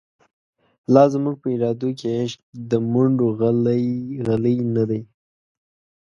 لا زموږ په ارادو کی، عشق د مڼډو غلۍ نه دۍ